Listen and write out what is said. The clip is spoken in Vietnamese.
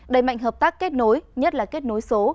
đẩy mạnh hợp tác kết nối nhất là kết nối số